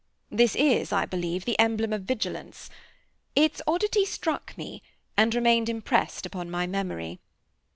This is, I believe, the emblem of vigilance. Its oddity struck me, and remained impressed upon my memory.